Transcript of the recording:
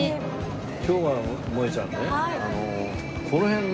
今日はもえちゃんね